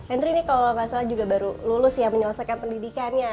henry ini kalau nggak salah juga baru lulus ya menyelesaikan pendidikannya